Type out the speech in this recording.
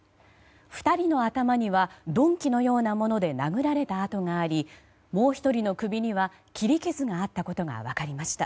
２人の頭には鈍器のようなもので殴られた痕がありもう１人の首には切り傷があったことが分かりました。